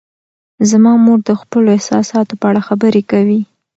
زما مور د خپلو احساساتو په اړه خبرې کوي.